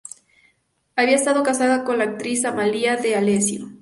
Había estado casado con la actriz Amalia D'Alessio.